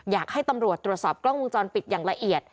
อยากให้ตำรวจตรวจสอบกล้องวงจรปิดอย่างละเอียด